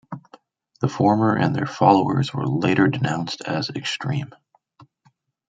The former and their followers were later denounced as extreme.